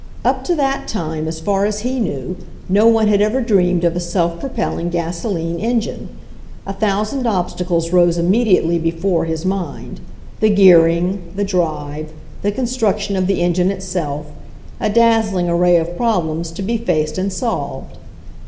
Up to that time, as far as he knew, no one had ever dreamed of a self propelling gaso line engine. A thousand obstacles rose imme diately before his mind — the gearing, the drive, the construction of the engine itself — a dazzling array of problems to be faced and solved.